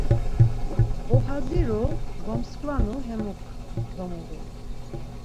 Goxadziru, gomskvanu hemuk domoguru.